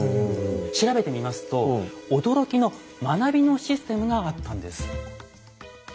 調べてみますと驚きの学びのシステムがあったんです。